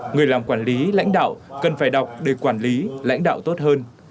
người làm quản lý lãnh đạo cần phải đọc để quản lý lãnh đạo tốt hơn